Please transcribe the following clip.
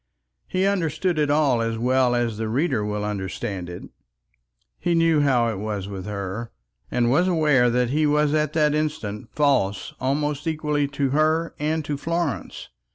He understood it all as well as the reader will understand it. He knew how it was with her, and was aware that he was at this instant false almost equally to her and to Florence.